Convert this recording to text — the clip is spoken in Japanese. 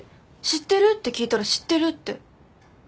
知ってる？って聞いたら「知ってる」って。